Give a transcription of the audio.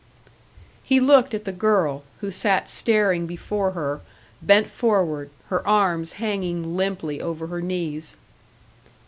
He looked at the girl, who sat staring before her, bent forward, her arms hanging limply over her knees.